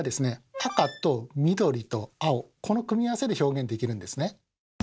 赤と緑と青この組み合わせで表現できるんですね。